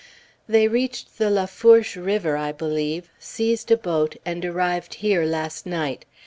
They reached the Lafourche River, I believe, seized a boat, and arrived here last night.